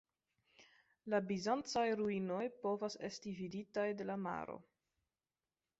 La bizancaj ruinoj povas esti viditaj de la maro.